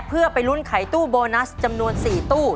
เพื่อไปลุ้นไขตู้โบนัสจำนวน๔ตู้